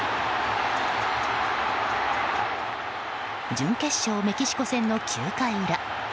準決勝メキシコ戦の９回裏。